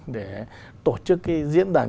để tổ chức cái diễn đàn